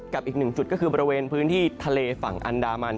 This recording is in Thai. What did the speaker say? อีกหนึ่งจุดก็คือบริเวณพื้นที่ทะเลฝั่งอันดามัน